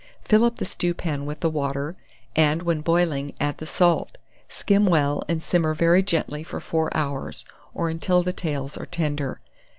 Fill up the stewpan with the water, and, when boiling, add the salt. Skim well, and simmer very gently for 4 hours, or until the tails are tender.